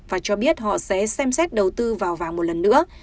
và cho biết họ sẽ xem xét đầu tư vào vàng một lần nữa